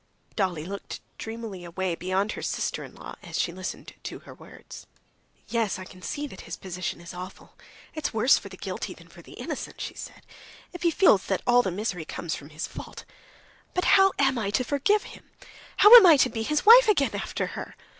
Dolly looked dreamily away beyond her sister in law as she listened to her words. "Yes, I can see that his position is awful; it's worse for the guilty than the innocent," she said, "if he feels that all the misery comes from his fault. But how am I to forgive him, how am I to be his wife again after her?